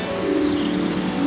aku ingin mencari ikan ajaib